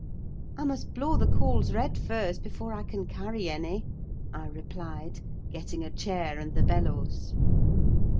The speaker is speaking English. "I must blow the coals red first, before I can carry any," I replied, getting a chair and the bellows.